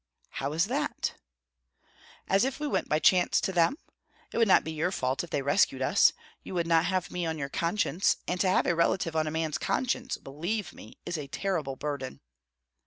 "How is that?" "As if we went by chance to them? It would not be your fault if they rescued us. You would not have me on your conscience, and to have a relative on a man's conscience, believe me, is a terrible burden."